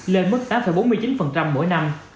lên mức tám bốn mươi chín mỗi năm